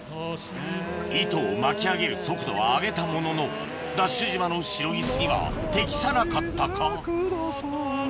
糸を巻き上げる速度は上げたもののＤＡＳＨ島のシロギスには適さなかったか？